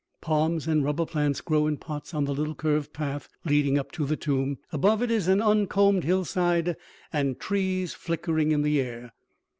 Palms and rubber plants grow in pots on the little curved path leading up to the tomb; above it is an uncombed hillside and trees flickering in the air.